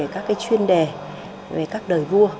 các chuyên đề về các đời vua